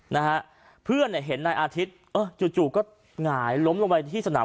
นะฮะเพื่อนเนี่ยเห็นนายอาทิตย์เออจู่จู่ก็หงายล้มลงไปที่สนาม